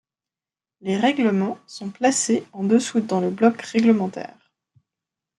Les règlements sont placés en dessous dans le bloc réglementaire.